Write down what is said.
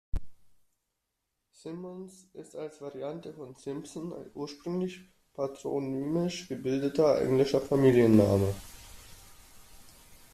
Simmons ist als Variante von Simpson ein ursprünglich patronymisch gebildeter englischer Familienname.